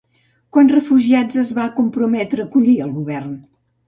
Quants refugiats es va comprometre a acollir el govern?